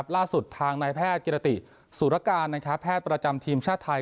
ล่าสุดทางนายแพทย์กิรติสุรการแพทย์ประจำทีมชาติไทย